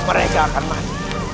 mereka akan mati